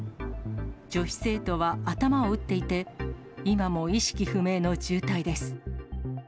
女子生徒は頭を打っていて、今も意識不明の重体です。